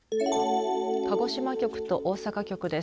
鹿児島局と大阪局です。